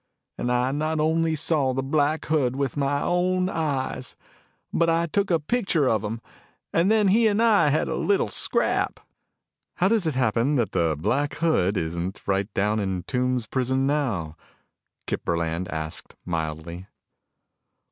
And I not only saw the Black Hood with my own eyes, but I took a picture of him. And then he and I had a little scrap." "How does it happen the Black Hood isn't right down in Tombs prison now?" Kip Burland asked mildly.